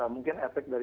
mungkin efek dari